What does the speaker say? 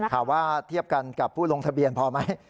ถามว่าเทียบกันกับผู้ลงทะเบียนพอไหม